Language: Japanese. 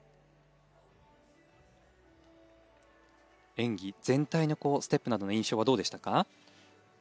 演技全体のステップなどの印象はどうでしたか？